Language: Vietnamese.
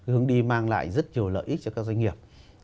hướng đi mang lại rất nhiều lợi ích cho các doanh nghiệp